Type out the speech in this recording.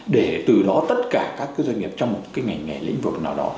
để từ đó tất cả các cái doanh nghiệp trong một cái ngành nghề lĩnh vực nào đó